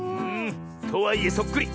とはいえそっくり！